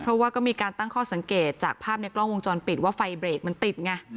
เพราะว่าก็มีการตั้งข้อสังเกตจากภาพในกล้องวงจรปิดว่าไฟเบรกมันติดไง